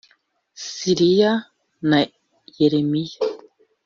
Syria na Yemeni